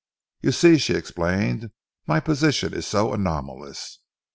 "You see," she explained, "my position is so anomalous.